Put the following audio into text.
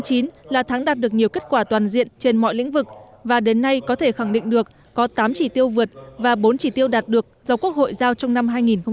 tháng một mươi là tháng đạt được nhiều kết quả toàn diện trên mọi lĩnh vực và đến nay có thể khẳng định được có tám trị tiêu vượt và bốn trị tiêu đạt được do quốc hội giao trong năm hai nghìn một mươi tám